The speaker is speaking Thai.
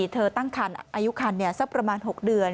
เธอตั้งอายุคันสักประมาณ๖เดือน